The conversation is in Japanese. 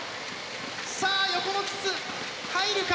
さあ横の筒入るか？